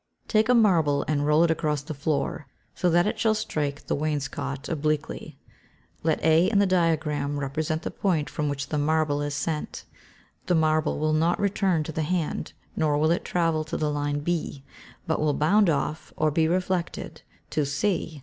Take a marble and roll it across the floor, so that it shall strike the wainscot obliquely. Let A in the diagram represent the point from which the marble is sent. The marble will not return to the hand, nor will it travel to the line B, but will bound off, or be reflected, to C.